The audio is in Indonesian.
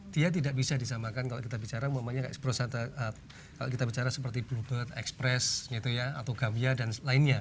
dia tidak bisa disambangkan kalau kita bicara seperti blue bird express gitu ya atau gambia dan lainnya